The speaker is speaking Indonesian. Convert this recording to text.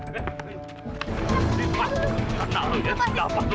berikanlah kami petunjuk